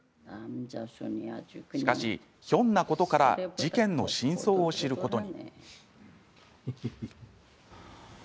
しかし、ひょんなことから事件の真相を知ることに。